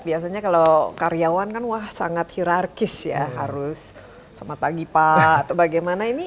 biasanya kalau karyawan kan wah sangat hirarkis ya harus selamat pagi pak atau bagaimana ini